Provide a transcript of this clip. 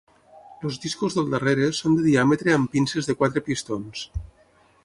Els discos del darrere són de diàmetre amb pinces de quatre pistons